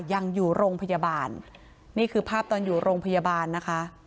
ยังอยู่โรงพยาบาลนี่คือภาพตอนอยู่โรงพยาบาลนะคะ